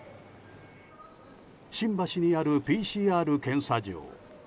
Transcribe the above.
新橋にあるＰＣＲ検査場。